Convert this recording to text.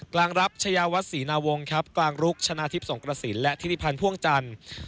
กลางรับชายาวัดศรีนาวงศ์ครับกลางลุกชนะทิพย์สงกระสินและธิริพันธ์พ่วงจันทร์